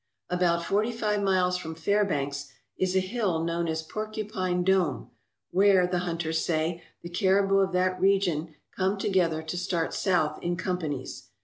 About forty five miles from Fairbanks is a hill known as Porcupine Dome, where, the hunters say, the caribou of that region come together to start south in companies.